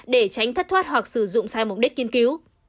để tránh thất thoát hoặc sử dụng sai mục đích kiên cứu